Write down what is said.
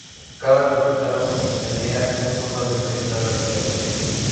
Cada propietario obtendría un total de treinta luchadores.